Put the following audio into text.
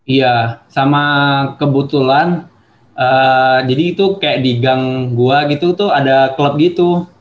iya sama kebetulan jadi itu kayak di gang gua gitu tuh ada klub gitu